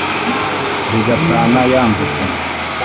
rigatana yambutse.